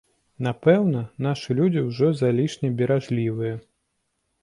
Напэўна, нашы людзі ўжо залішне беражлівыя.